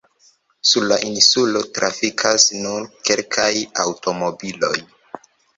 Sur la insulo trafikas nur kelkaj aŭtomobiloj.